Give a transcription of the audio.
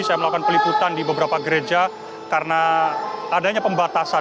saya melakukan peliputan di beberapa gereja karena adanya pembatasan